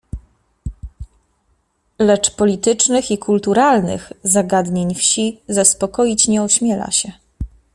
"Lecz politycznych i kulturalnych zagadnień wsi zaspokoić nie ośmiela się."